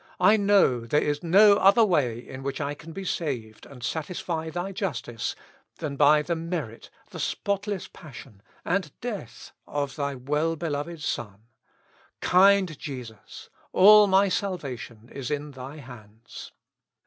I know there is no other way in which I can be saved and satisfy thy justice, than by the merit, the spotless passion, and death of thy well beloved Son. Kind Jesus! All my salvation is in thy hands.